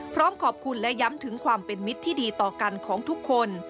พร้อมขอบคุณและย้ำถึงความเป็นมิตรที่ดีต่อกันของทุกคน